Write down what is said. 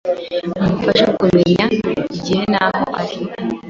Mufashe kumenya igihe n’aho ari,